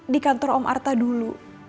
di kantor om artha dulu